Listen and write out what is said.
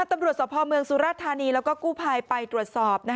ตำรวจสภเมืองสุราธานีแล้วก็กู้ภัยไปตรวจสอบ